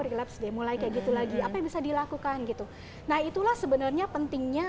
relaps deh mulai kayak gitu lagi apa yang bisa dilakukan gitu nah itulah sebenarnya pentingnya